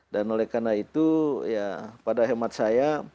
dan oleh karena itu ya pada hemat saya